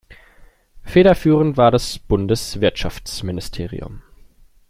Federführend war das Bundeswirtschaftsministerium.